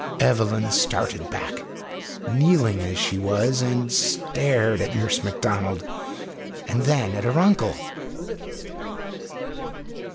Evelyn started back, kneeling as she was, and stared at Nurse Macdonald, and then at her uncle.